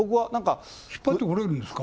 引っ張ってこれるんですか？